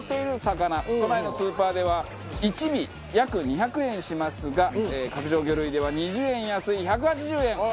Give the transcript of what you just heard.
都内のスーパーでは１尾約２００円しますが角上魚類では２０円安い１８０円。